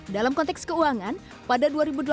dalam konteks keuangan pada dua ribu delapan belas